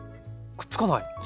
くっつかない。